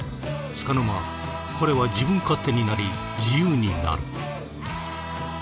つかの間彼は自分勝手になり自由になる。